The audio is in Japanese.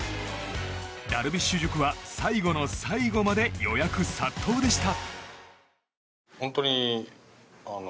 ダルビッシュ塾は最後の最後まで予約殺到でした。